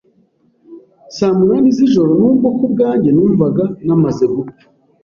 saa munani z’ijoro nubwo ku bwanjye numvaga namaze gupfa